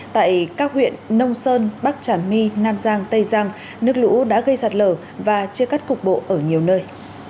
tại các huyện nông sơn bắc trà my nam giang tây giang nước lũ đã gây sạt lở và chia cắt cục bộ ở nhiều nơi